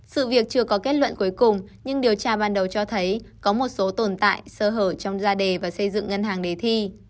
sự việc chưa có kết luận cuối cùng nhưng điều tra ban đầu cho thấy có một số tồn tại sơ hở trong ra đề và xây dựng ngân hàng đề thi